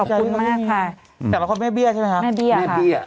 ขอบคุณมากค่ะสำหรับของแม่เบี้ยใช่ไหมคะแม่เบี้ยค่ะแม่เบี้ย